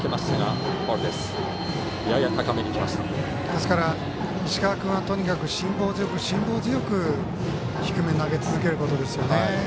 ですから石川君はとにかく辛抱強く低めに投げ続けることですね。